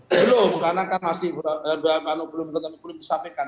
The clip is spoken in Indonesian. belum karena kan masih belum disampaikan